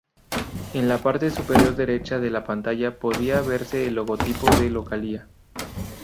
En la parte superior derecha de la pantalla podía verse el logotipo de Localia.